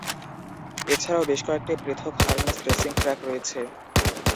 এছাড়াও বেশ কয়েকটি পৃথক হারনেস রেসিং ট্র্যাক রয়েছে।